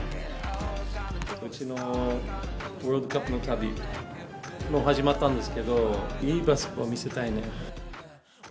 うちのワールドカップへの旅、もう始まったんですけど、いいバスケを見せたいね。